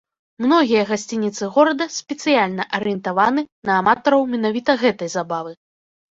Многія гасцініцы горада спецыяльна арыентаваны на аматараў менавіта гэтай забавы.